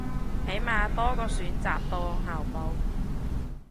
起碼多個選擇當後備